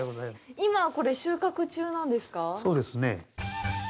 今、これ、収穫中なんですか？